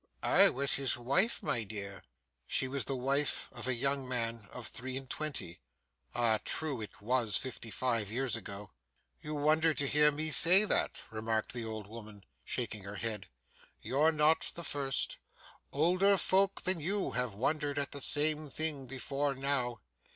'I was his wife, my dear.' She the wife of a young man of three and twenty! Ah, true! It was fifty five years ago. 'You wonder to hear me say that,' remarked the old woman, shaking her head. 'You're not the first. Older folk than you have wondered at the same thing before now.